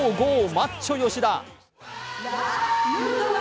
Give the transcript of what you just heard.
マッチョ吉田。